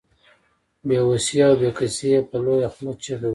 بې وسي او بې کسي يې په لويه خوله چيغې وهي.